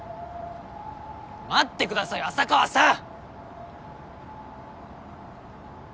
待ってくださいよ浅川さん！